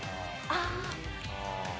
ああ。